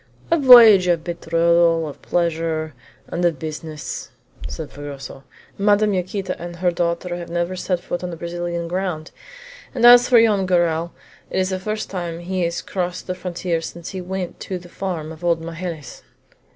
"A voyage of betrothal, of pleasure, and of business!" said Fragoso. "Madame Yaquita and her daughter have never set foot on Brazilian ground; and as for Joam Garral, it is the first time he has crossed the frontier since he went to the farm of old Magalhaës."